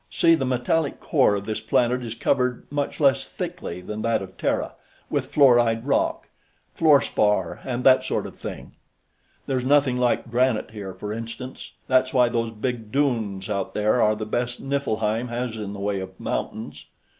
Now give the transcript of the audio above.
See, the metallic core of this planet is covered, much less thickly than that of Terra, with fluoride rock fluorspar, and that sort of thing. There's nothing like granite here, for instance. That's why those big dunes, out there, are the best Niflheim has in the way of mountains.